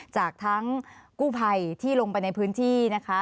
จากทั้งกู้ภัยที่ลงไปในพื้นที่นะคะ